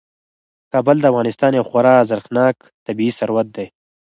کابل د افغانستان یو خورا ارزښتناک طبعي ثروت دی.